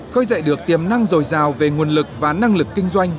khơi dậy được tiềm năng dồi dào về nguồn lực và năng lực kinh doanh